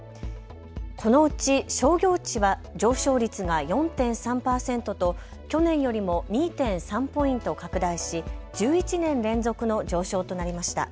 このうち商業地は上昇率が４．３％と去年よりも２．３ポイント拡大し１１年連続の上昇となりました。